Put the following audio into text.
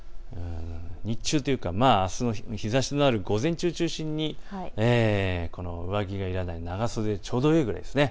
日中というか日ざしのある午前中を中心に上着がいらない、長袖でちょうどいいくらいですね。